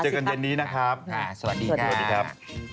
เจอกันเดือนนี้นะครับสวัสดีครับ